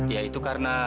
ya itu karena